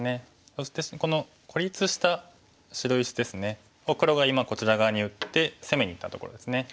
そしてこの孤立した白石ですね。を黒が今こちら側に打って攻めにいったところですね。